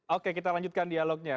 oke kita lanjutkan dialognya